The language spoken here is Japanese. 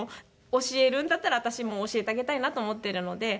教えるんだったら私も教えてあげたいなと思っているので。